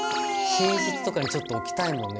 寝室とかにちょっと置きたいもんね